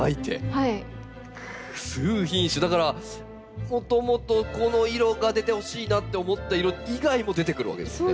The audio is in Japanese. だからもともとこの色が出てほしいなって思った色以外も出てくるわけですね。